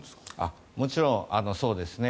もちろんそうですね。